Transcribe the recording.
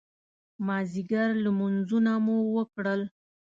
مازدیګر لمونځونه مو وکړل.